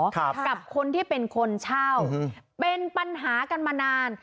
กับคนที่เป็นคนเช่าอืมเป็นปัญหากันมานาน